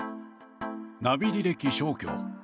ナビ履歴消去。